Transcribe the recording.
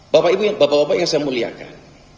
bapak ibu bapak bapak yang saya muliakan